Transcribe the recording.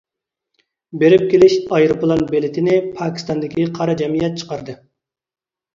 بېرىپ-كېلىش ئايروپىلان بېلىتىنى پاكىستاندىكى قارا جەمئىيەت چىقاردى.